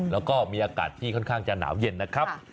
แล้วก็มีอากาศที่ค่อนข้างจะหนาวเย็นนะครับ